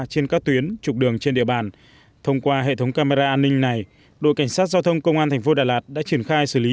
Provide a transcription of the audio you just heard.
trên các tuyến truyền nhắc nhở người dân và du khách về việc này